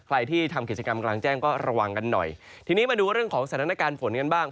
ใครที่ทำกิจกรรมกลางแจ้งก็ระวังกันหน่อยทีนี้มาดูเรื่องของสถานการณ์ฝนกันบ้าง